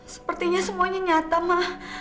sepertinya semuanya nyata ma